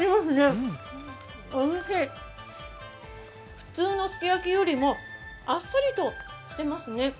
普通のすき焼きよりもあっさりとしていますね。